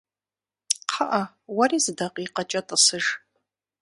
КхъыӀэ, уэри зы дакъикъэкӀэ тӀысыж.